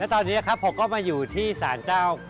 ตอนนี้ครับผมก็มาอยู่ที่ศาลเจ้า